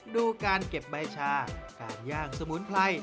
ดูการเก็บใบชาการย่างสมุนไพร